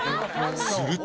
すると